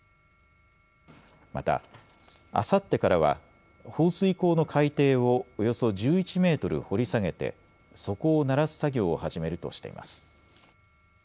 またあさってからは放水口の海底をおよそ１１メートル掘り下げて底をならす作業を始めるとしています。